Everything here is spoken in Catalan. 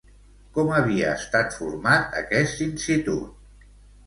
Com havia estat format aquest institut?